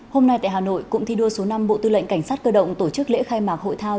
hôm nay tại hà nội cụm thi đua số năm bộ tư lệnh cảnh sát cơ động tổ chức lễ khai mạc hội thao